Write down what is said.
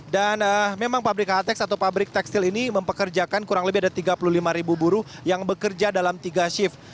dan memang pabrik khtex atau pabrik tekstil ini mempekerjakan kurang lebih ada tiga puluh lima ribu buruh yang bekerja dalam tiga shift